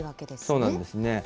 そうなんですね。